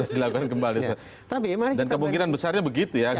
dan kemungkinan besar begitu ya